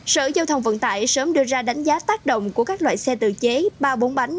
sở giao thông vận tải sớm đưa ra đánh giá tác động của các loại xe tự chế ba bốn bánh